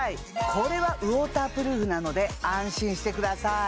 これはウォータープルーフなので安心してください